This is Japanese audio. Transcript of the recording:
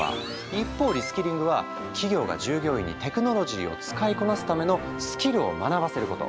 一方リ・スキリングは企業が従業員にテクノロジーを使いこなすためのスキルを学ばせること。